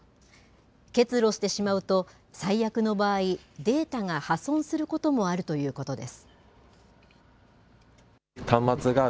結露してしまうと、最悪の場合、データが破損することもあるということです。